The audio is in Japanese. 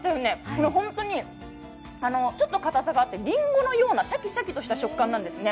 これ、ホントにちょっと硬さがあってりんごのようなシャキシャキとした食感なんですね。